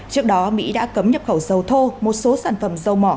trước đó mỹ đã cấm nhập khẩu dầu thô một số sản phẩm dầu mỏ